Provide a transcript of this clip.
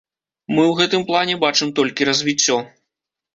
Мы ў гэтым плане бачым толькі развіццё.